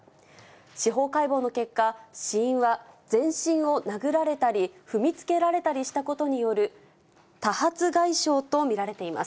司法解剖の結果、死因は全身を殴られたり、踏みつけられたりしたことによる、多発外傷と見られています。